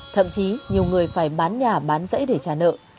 thậm chí nhiều người phải bán nhà bán dãy để trả nợ